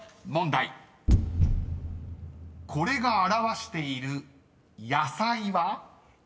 ［これが表している野菜は？］